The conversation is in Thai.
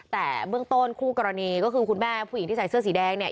แต่เบื้องต้นคู่กรณีก็คือคุณแม่ผู้หญิงที่ใส่เสื้อสีแดงเนี่ย